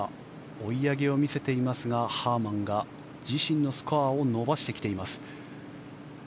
追い上げを見せていますがハーマンが自身のスコアを伸ばしてきています。